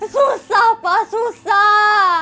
susah pak susah